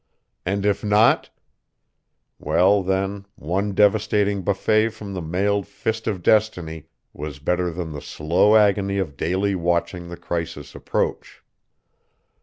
And if not, well, then, one devastating buffet from the mailed fist of destiny was better than the slow agony of daily watching the crisis approach.